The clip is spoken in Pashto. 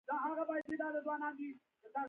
د هوټل منیجر سره یو دوه خبرې کوم.